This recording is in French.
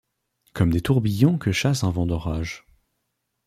Comme des tourbillons que chasse un vent d’orage